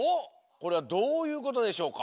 これはどういうことでしょうか？